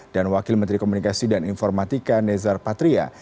dan wakil menteri komunikasi dan informatika nezar patria